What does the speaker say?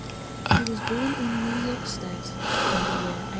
He was born in New York State in the year 1815.